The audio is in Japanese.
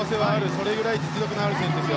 それぐらい実力のある選手です。